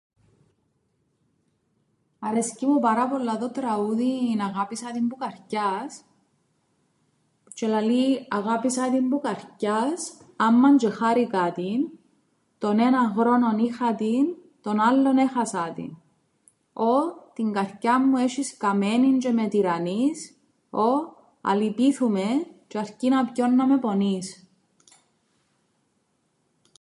Αρέσκει μου πάρα πολλά το τραούδιν «αγάπησα την που καρκιάς» τζ̌αι λαλεί «αγάπησα την που καρκιάς, άμμαν 'ντζ̆ε χάρηκα την, τον έναν γρόνον είχα την, τον άλλον έχασα την, ω, την καρκιά μου έσ̆εις καμένην τζ̌αι με τυρρανείς, ω, αλυπήθου με τζ̌' αρκίνα πιον να με πονείς»